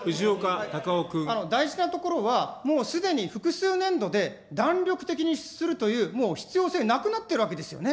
大事なところは、もうすでに複数年度で弾力的にするというもう必要性なくなっているわけですよね。